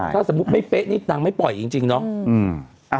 ถ้าสมมุติไม่เป๊ะนี่นางไม่ปล่อยจริงเนาะ